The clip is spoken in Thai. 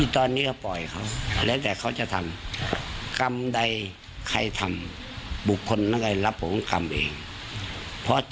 ส่วนคนที่ไม่หวังดีลงพู่เรียกว่าปล่อยกวางแล้ว